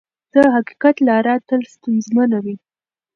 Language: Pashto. د حقیقت لاره تل ستونزمنه وي.